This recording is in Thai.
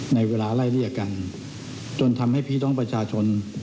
เวลาไล่เรียกกันจนทำให้พี่น้องประชาชน